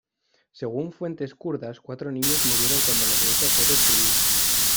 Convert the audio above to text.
Según fuentes kurdas, cuatro niños murieron cuando la iglesia fue destruida.